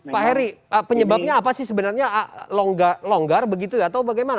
pak heri penyebabnya apa sih sebenarnya longgar begitu ya atau bagaimana